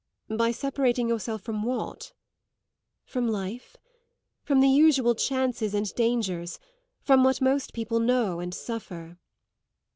"By separating yourself from what?" "From life. From the usual chances and dangers, from what most people know and suffer."